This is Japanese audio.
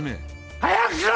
早くしろ！